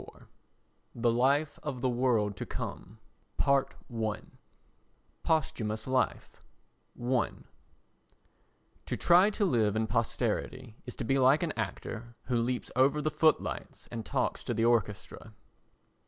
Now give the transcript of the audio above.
XXIV The Life of the World to Come Posthumous Life i To try to live in posterity is to be like an actor who leaps over the footlights and talks to the orchestra.